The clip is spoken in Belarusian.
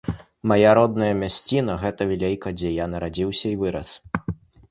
Мая родная мясціна - гэта вілейка, дзе я нарадзіўся і вырас.